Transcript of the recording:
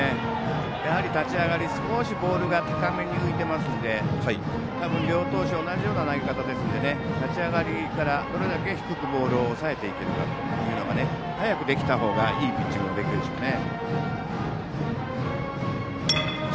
立ち上がり、少しボールが高めに浮いてますので両投手同じような投げ方ですので立ち上がりからどれだけ低くボールを押さえていけるかというのが早くできた方がいいピッチングもできるでしょうね。